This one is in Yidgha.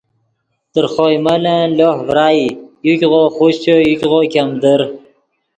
تر خوئے ملن لوہ ڤرائی یوګغو خوشچے یوګغو ګیمدر